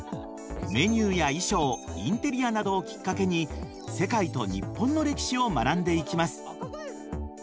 メニューや衣装インテリアなどをきっかけに世界と日本の歴史を学んでいきます。